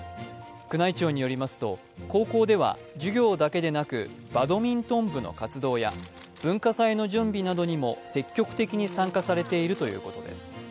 宮内庁によりますと、高校では授業だけでなくバドミントン部の活動や文化祭の準備などにも積極的に参加されているということです。